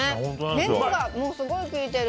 ネギがすごい効いてる。